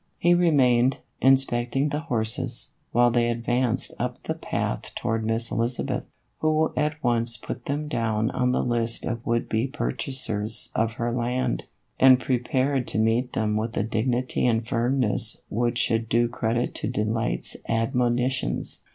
He remained, inspecting the horses, while they advanced up the path toward Miss Elizabeth, who at once put them down on the list of would be purchasers of her land, and pre pared to meet them with a dignity and firmness v. hich should do credit to Delight's admonitions.